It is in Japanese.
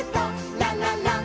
「ラララン」